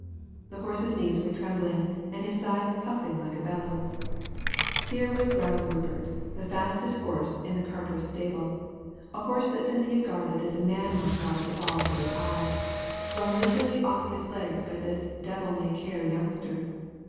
The horse's knees were trembling and his sides puffing like a bellows. Here was Brown Rupert, the fastest horse in the Carper stable, a horse that Cynthia guarded as a man might guard the ball of his eye, run literally off his legs by this devil may care youngster.